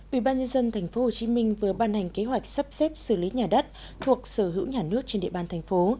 ủy ban nhân dân tp hcm vừa ban hành kế hoạch sắp xếp xử lý nhà đất thuộc sở hữu nhà nước trên địa ban thành phố